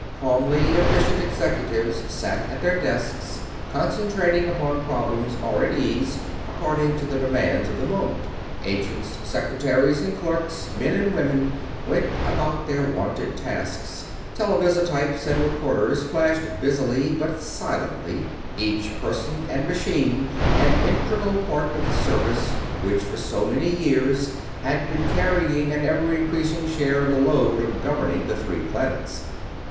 Calmly efficient executives sat at their desks, concentrating upon problems or at ease, according to the demands of the moment; agents, secretaries, and clerks, men and women, went about their wonted tasks; televisotypes and recorders flashed busily but silently each person and machine an integral part of the Service which for so many years had been carrying an ever increasing share of the load of governing the three planets.